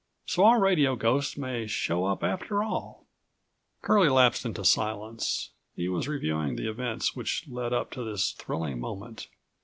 So our radio ghost may show up after all." Curlie lapsed into silence. He was reviewing the events which led up to this thrilling moment.